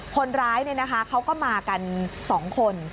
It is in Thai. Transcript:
คนร้ายเขาก็มากัน๒คน